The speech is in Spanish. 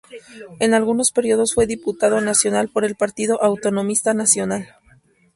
En algunos períodos fue diputado nacional por el Partido Autonomista Nacional.